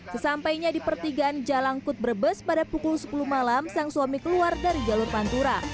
sesampainya di pertigaan jalankut brebes pada pukul sepuluh malam sang suami keluar dari jalur pantura